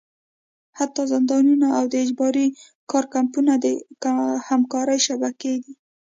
حتی زندانونه او د اجباري کار کمپونه د همکارۍ شبکې دي.